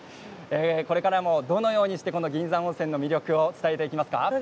これから、どのように銀山温泉の魅力を伝えていきますか？